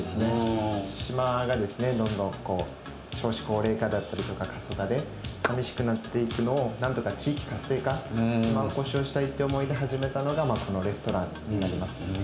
島がどんどん少子高齢化だったりとか過疎化で寂しくなっていくのを何とか地域活性化島おこしをしたいという思いで始めたのがこのレストランになります。